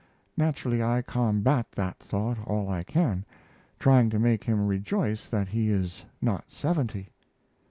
Naturally I combat that thought all I can, trying to make him rejoice that he is not seventy....